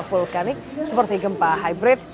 vulkanik seperti gempa hybrid